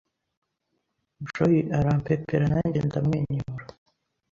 Joy arampepera nanjye ndamwenyura